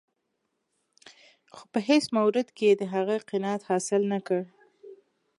خو په هېڅ مورد کې یې د هغه قناعت حاصل نه کړ.